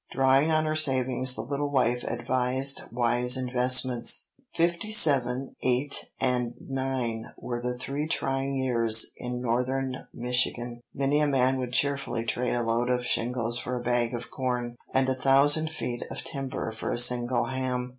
Drawing on her savings the little wife advised wise investments. II. Fifty seven, eight, and nine were the three trying years in Northern Michigan. Many a man would cheerfully trade a load of shingles for a bag of corn, and a thousand feet of timber for a single ham.